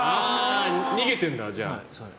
逃げてるんだ、じゃあ。